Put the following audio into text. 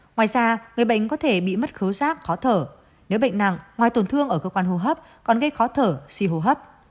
ngoài ra người bệnh có thể bị mất khấu rác khó thở nếu bệnh nặng ngoài tổn thương ở cơ quan hô hấp còn gây khó thở suy hô hấp